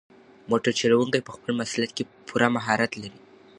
موټر چلونکی په خپل مسلک کې پوره مهارت لري.